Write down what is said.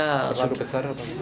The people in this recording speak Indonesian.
terlalu besar apa